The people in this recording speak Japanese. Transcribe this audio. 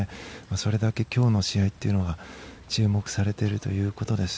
それだけ今日の試合というのは注目されているということです。